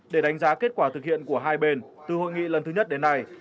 để đánh giá kết quả thực hiện của hai bên từ hội nghị lần thứ nhất đến nay